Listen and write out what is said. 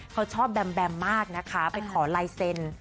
เขาชอบแบมแบมมากนะคะไปขอลายเซ็น